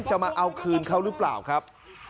มาเอาคืนเขาหรือเปล่าครับ